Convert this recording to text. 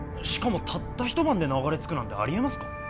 しかもたった一晩で流れ着くなんてあり得ますか？